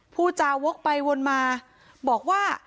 ผู้จาวโว๊คไปวนมาบอกว่า